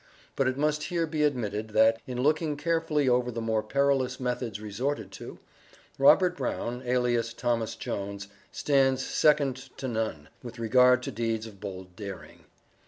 But it must here be admitted, that, in looking carefully over the more perilous methods resorted to, Robert Brown, alias Thomas Jones, stands second to none, with regard to deeds of bold daring.